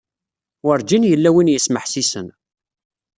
Werǧin yella win yesmeḥsisen.